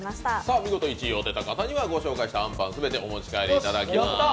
見事、１位を当てた方にはご紹介したあんパンを全て持ち帰っていただきます。